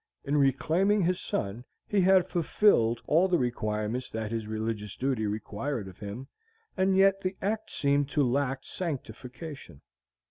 In reclaiming his son, he had fulfilled all the requirements that his religious duty required of him, and yet the act seemed to lack sanctification.